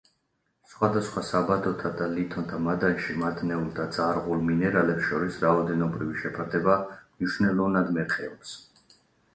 სხვადასხვა საბადოთა და ლითონთა მადანში მადნეულ და ძარღვულ მინერალებს შორის რაოდენობრივი შეფარდება მნიშვნელოვნად მერყეობს.